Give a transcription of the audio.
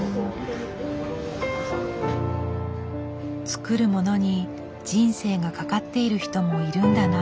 作るものに人生がかかっている人もいるんだな。